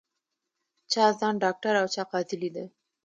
چا ځان ډاکټره او چا قاضي لیده